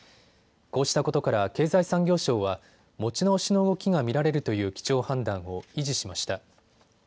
こうしたことから経済産業省は持ち直しの動きが見られるという基調判断を維持しました。